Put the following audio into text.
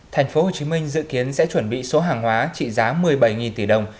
thành phố hồ chí minh dự kiến sẽ chuẩn bị số hàng hóa trị giá một mươi bảy tỷ đồng